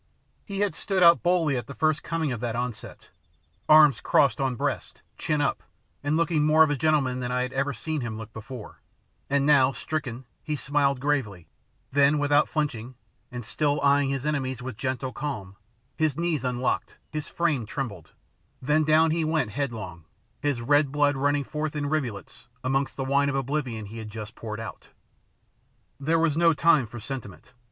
He had stood out boldly at the first coming of that onset, arms crossed on breast, chin up, and looking more of a gentleman than I had ever seen him look before; and now, stricken, he smiled gravely, then without flinching, and still eyeing his enemies with gentle calm, his knees unlocked, his frame trembled, then down he went headlong, his red blood running forth in rivulets amongst the wine of oblivion he had just poured out. There was no time for sentiment.